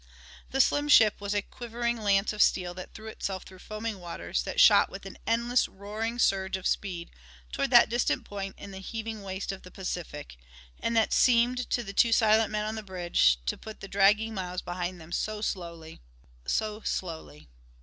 The slim ship was a quivering lance of steel that threw itself through foaming waters, that shot with an endless, roaring surge of speed toward that distant point in the heaving waste of the Pacific, and that seemed, to the two silent men on the bridge, to put the dragging miles behind them so slowly so slowly.